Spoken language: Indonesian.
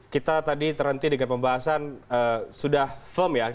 kita tadi terhenti dengan pembahasan sudah firm ya